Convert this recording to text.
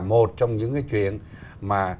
một trong những cái chuyện mà